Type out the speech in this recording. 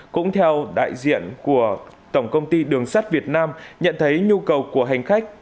cũng theo đại diện của tổng công ty đường sắt việt nam nhận thấy nhu cầu của hành khách